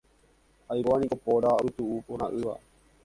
Aipóva niko póra opytu'uporã'ỹva.